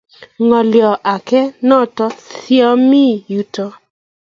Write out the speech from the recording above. Ngolio age notok sa mie yutok